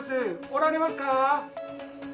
おられますか。